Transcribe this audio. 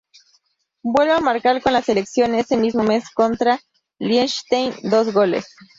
Vuelve a marcar con la selección ese mismo mes contra Liechtenstein, dos goles.